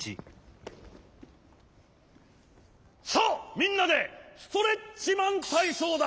さあみんなでストレッチマンたいそうだ！